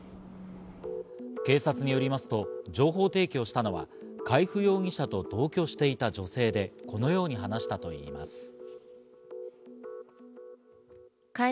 警察によりますと、情報提供をしたのは海部容疑者と同居していた女性で、このように話したといいます。